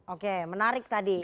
oke menarik tadi